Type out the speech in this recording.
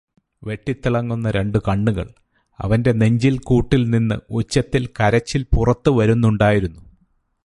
വെട്ടിത്തിളങ്ങുന്ന രണ്ടു കണ്ണുകൾ അവൻറെ നെഞ്ചിൽ കൂട്ടിൽ നിന്ന് ഉച്ചത്തിൽ കരച്ചിൽ പുറത്ത് വരുന്നുണ്ടായിരുന്നു